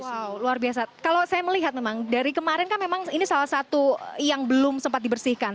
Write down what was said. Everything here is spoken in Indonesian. wow luar biasa kalau saya melihat memang dari kemarin kan memang ini salah satu yang belum sempat dibersihkan